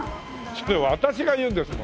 それ私が言うんですよ。